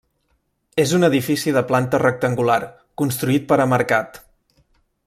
És un edifici de planta rectangular, construït per a mercat.